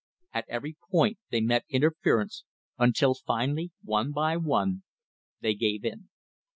At every" point they met interference until finally one by one they gave in.